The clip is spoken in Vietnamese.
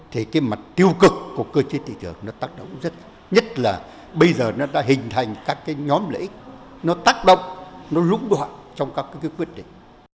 thì cái mặt tiêu cực của cơ chế thị trường nó tác động rất nhất là bây giờ nó đã hình thành các cái nhóm lợi ích nó tác động nó lũng đoạn trong các cái quyết định